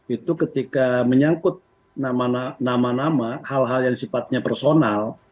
itu ketika menyangkut nama nama hal hal yang sifatnya personal